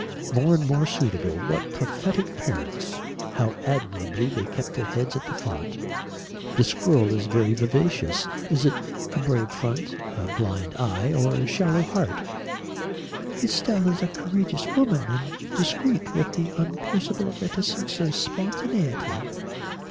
"More and more suitable. What prophetic parents! How admirably they kept their heads at the font. The squirrel is very vivacious is it a brave front, a blind eye or a shallow heart?" "Estelle is a courageous woman and discreet with the unpierceable reticence of spontaneity."